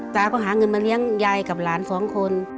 ตาก็หาเงินมาเลี้ยงยายกับหลานสองคน